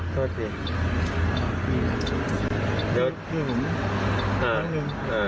แล้วจะไปไหนต่อ